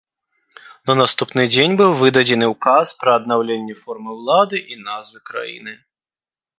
На наступны дзень быў выдадзены ўказ пра аднаўленне формы ўлады і назвы краіны.